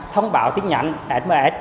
thông báo tính nhắn sms